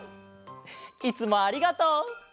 いつもありがとう。